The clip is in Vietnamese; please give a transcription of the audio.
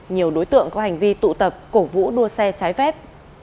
nhiều đối tượng có hành vi tụ tập cổ vũ đua xe trái phép